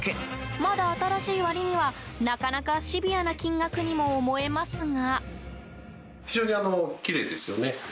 まだ新しい割には、なかなかシビアな金額にも思えますが。